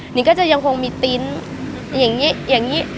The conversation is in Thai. หนึ่งก็จะยังคงมีติ๊นอย่างนี้